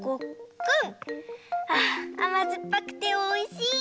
ああまずっぱくておいしい！